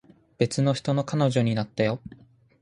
別の人の彼女になったよ